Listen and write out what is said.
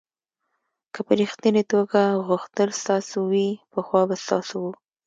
که په ریښتني توګه غوښتل ستاسو وي پخوا به ستاسو و.